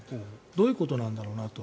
どういうことなんだろうなと。